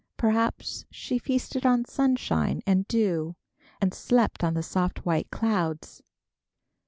Perhaps she feasted on sunshine and dew, and slept on the soft white clouds.